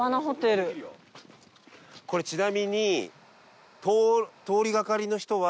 これちなみに。